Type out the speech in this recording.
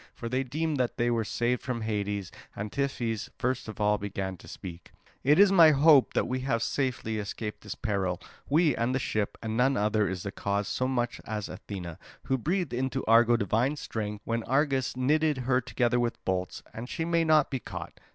For they deemed that they were saved from Hades; and Tiphys first of all began to speak: "It is my hope that we have safely escaped this peril—we, and the ship; and none other is the cause so much as Athena, who breathed into Argo divine strength when Argus knitted her together with bolts; and she may not be caught.